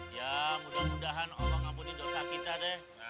ya mudah mudahan allah ngabudi dosa kita deh